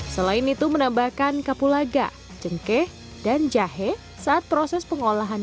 selain itu menambahkan kapulaga cengkeh dan jahe saat proses pengolahan